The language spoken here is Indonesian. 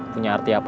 punya arti apa apa